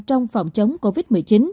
trong phòng chống covid một mươi chín